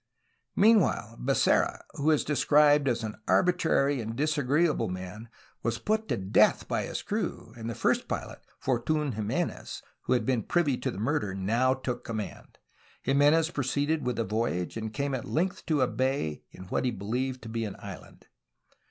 Meanwhile, Becerra, who is described as an arbitrary and disagreeable man, was put to death by his crew, and the first pilot, Fortun Jimenez, who had been privy to the mur der, now took command. Jimenez proceeded with the voyage and came at length to a bay in what he believed to be an island.